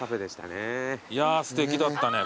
すてきだったね